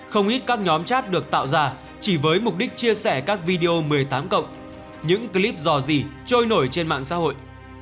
không ít các nhóm chat được tạo ra chỉ với mục đích chia sẻ các video một mươi tám cộng những clip dò dỉ trôi nổi trên mạng xã hội